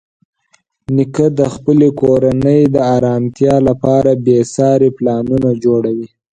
نیکه د خپلې کورنۍ د ارامتیا لپاره بېساري پلانونه جوړوي.